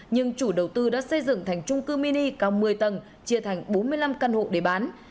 nhưng chủ đầu tư đã xây dựng thành trung cư mini cao một mươi tầng chia thành bốn mươi năm căn hộ để bán